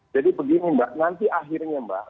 jadi begini mbak nanti akhirnya mbak